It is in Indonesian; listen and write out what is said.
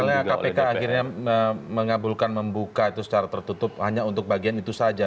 misalnya kpk akhirnya mengabulkan membuka itu secara tertutup hanya untuk bagian itu saja